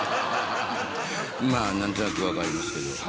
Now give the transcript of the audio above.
まあ何となく分かりますけど。